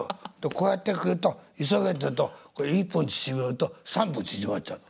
こうやってくると急げっていうと１分縮めようと３分縮まっちゃう。